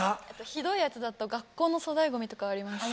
ひどいやつだと「学校の粗大ごみ」とかありました。